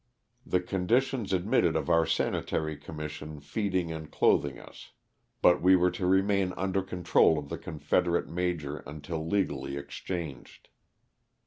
The conditions admitted of our Sani tary Commission feeding and clothing us, but we 76 LOSS OF THE SULTANA. were to remain under control of the Confederate major until legally exchanged.